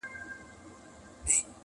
د مالدارو په کورونو په قصرو کي-